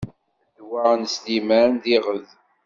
Ddwa n Sliman d iɣed.